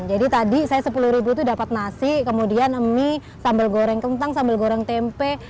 jadi tadi saya sepuluh itu dapat nasi kemudian mie sambal goreng kentang sambal goreng tempe